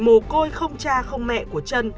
mồ côi không cha không mẹ của trân